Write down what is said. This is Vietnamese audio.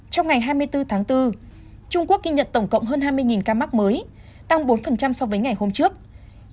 trong ngày hai mươi bốn tháng bốn trung quốc ghi nhận tổng cộng hơn hai mươi ca mắc mới tăng bốn so với ngày hôm trước